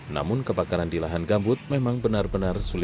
namun kebakaran di lahan gambut memang benar benar sulit